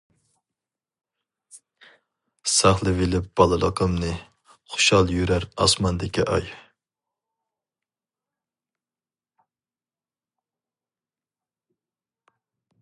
ساقلىۋېلىپ بالىلىقىمنى، خۇشال يۈرەر ئاسماندىكى ئاي.